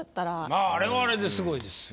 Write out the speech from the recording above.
まぁあれはあれですごいです。